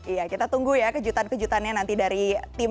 iya kita tunggu ya kejutan kejutannya nanti dari tim